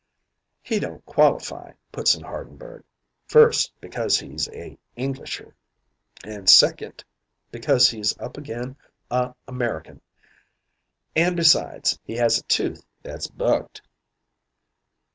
"'He don't qualify,' puts in Hardenberg. 'First, because he's a Englisher, and second, because he's up again a American and besides, he has a tooth that's bucked.'